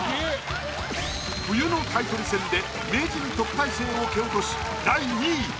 冬のタイトル戦で名人・特待生を蹴落とし第２位。